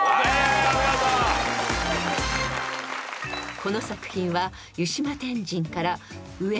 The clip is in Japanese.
［この作品は］